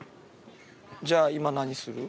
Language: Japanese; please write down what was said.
じゃあ、今何する？